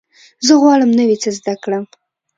زه غواړم نوی څه زده کړم.